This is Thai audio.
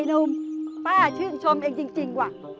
ไอ้นุ้มป้าชื่นชมแบบนี้จริงว่ะ